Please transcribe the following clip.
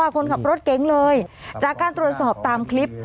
คนขับรถเก๋งเลยจากการตรวจสอบตามคลิป